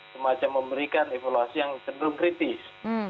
semacam memberikan evaluasi yang cenderung kritis